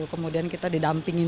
kemudian kita melakukan